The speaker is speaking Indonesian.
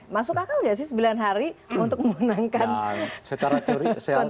masuk akal nggak sih sembilan hari untuk memenangkan secara turis